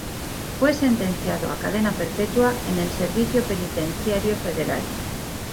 Fue sentenciado a cadena perpetua, en el Servicio Penitenciario Federal.